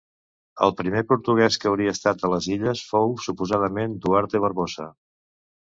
El primer portuguès que hauria estat a les illes fou suposadament Duarte Barbosa.